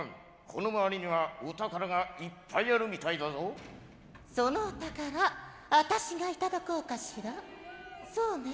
このまわりにはお宝がいっぱいあるみたいだぞそのお宝私がいただこうかしらそうね